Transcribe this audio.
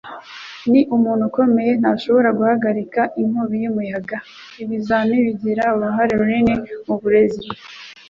N'umuntu ukomeye ntashobora guhagarika inkubi y'umuyaga. Ibizamini bigira uruhare runini muburezi.